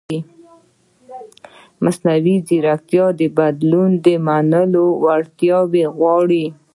مصنوعي ځیرکتیا د بدلون د منلو وړتیا غواړي.